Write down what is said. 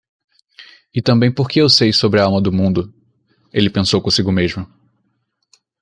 E também porque eu sei sobre a Alma do Mundo,? ele pensou consigo mesmo.